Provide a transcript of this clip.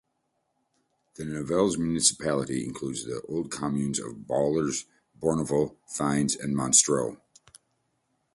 The Nivelles municipality includes the old communes of Baulers, Bornival, Thines, and Monstreux.